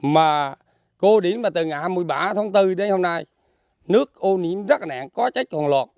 mà cô điểm từ ngày hai mươi ba tháng bốn đến hôm nay nước ô nhiễm rất nẹn có trách hoàng loạt